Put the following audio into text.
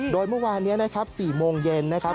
โดยเมื่อวานนี้นะครับ๔โมงเย็นนะครับ